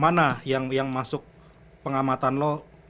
mana yang masuk pengamatan lo